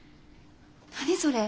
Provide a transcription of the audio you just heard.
何それ？